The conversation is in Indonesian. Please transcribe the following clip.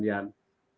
yang bisa berhasil